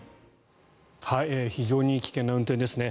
非常に危険な運転ですね。